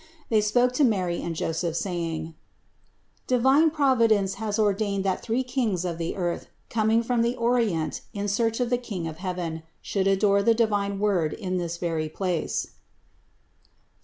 They spoke to Mary and Joseph, saying: "Divine Providence has ordained that three kings of the earth, coming from the Orient in search of the King of heaven, should adore the divine Word in this very place (Ps.